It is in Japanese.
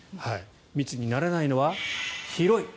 密にならないのは、広い。